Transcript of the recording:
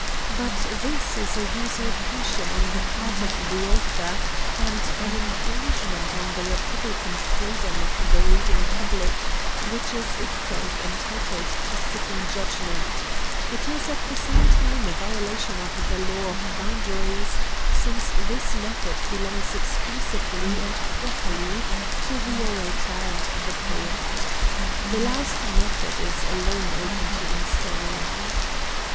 But this is an usurpation on the part of the author, and an infringement on the republican freedom of the reading public, which is itself entitled to sit in judgment: it is at the same time a violation of the law of boundaries, since this method belongs exclusively and properly to the orator and the poet. The last method is alone open to the historian.